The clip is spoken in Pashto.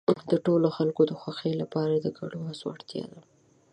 د ټولو خلکو د خوښۍ لپاره د ګډو هڅو اړتیا ده.